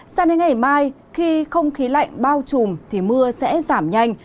sang đến ngày mai khi không khí lạnh bao trùm thì mưa sẽ giảm nhanh